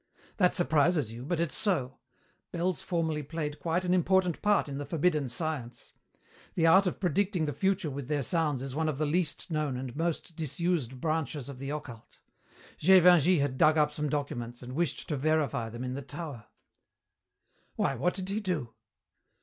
"That surprises you, but it's so. Bells formerly played quite an important part in the forbidden science. The art of predicting the future with their sounds is one of the least known and most disused branches of the occult. Gévingey had dug up some documents, and wished to verify them in the tower." "Why, what did he do?"